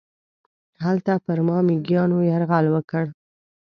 هلته پر ما میږیانو یرغل وکړ.